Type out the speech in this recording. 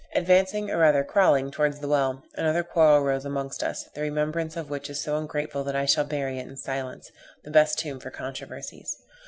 Advancing, or rather crawling towards the well, another quarrel rose amongst us, the remembrance of which is so ungrateful that I shall bury it in silence, the best tomb for controversies.